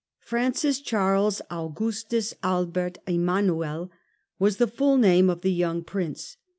Francis Charles Augustus Albert Emmanuel was the full name of the young Prince.